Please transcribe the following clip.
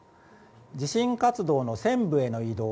地震活動の尖部への移動。